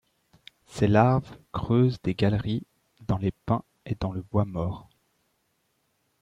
Ses larves creusent des galeries dans les pins et dans le bois mort.